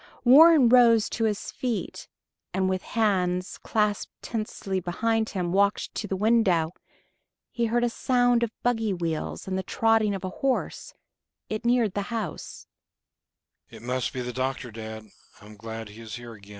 Warren rose to his feet, and with hands clasped tensely behind him walked to the window. He heard a sound of buggy wheels and the trotting of a horse; it neared the house. "It must be the doctor, dad.